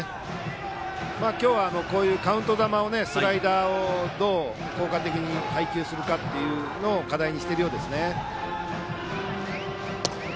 今日は、カウント球をスライダーをどう効果的に配球するかというのを課題にしているようですね。